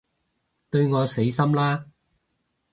對我死心啦